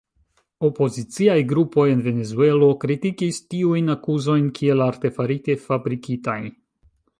Opoziciaj grupoj en Venezuelo kritikis tiujn akuzojn kiel artefarite fabrikitaj.